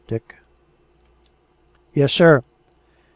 ... Dick." " Yes, sir."